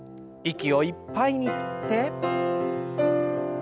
息をいっぱいに吸って。